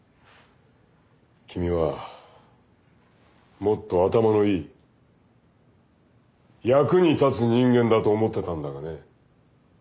君はもっと頭のいい役に立つ人間だと思ってたんだがね。